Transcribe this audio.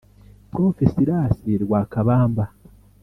Prof Silas Rwakabamba